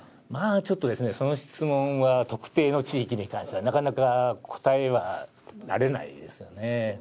ちょっとですね、その質問は特定の地域に関してはなかなか答えられないですよね。